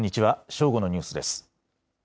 正午のニュースです。